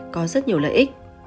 có rất nhiều lợi ích